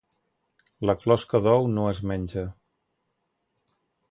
La closca d'ou no es menja.